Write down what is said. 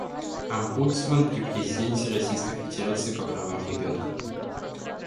Омбудсмен при президенте Российской Федерации по правам ребёнка.